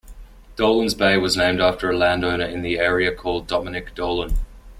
Dolans Bay was named after a land owner in the area called Dominick Dolan.